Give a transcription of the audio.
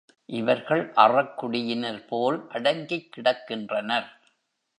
இவர்கள் அறக்குடியினர் போல் அடங்கிக் கிடக்கின்றனர்.